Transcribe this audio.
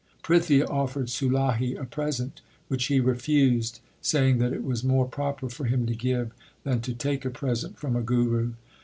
Prithia offered Sulahi a present, which he refused, saying that it was more proper for him to give than to take a present from a guru.